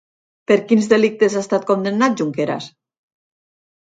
Per quins delictes ha estat condemnat Junqueras?